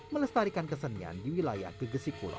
melestarikan kesenian di wilayah gegesikulon